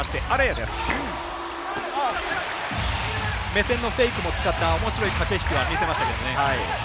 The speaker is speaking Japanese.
目線のフェイクも使ったおもしろい駆け引きは見せましたけどね。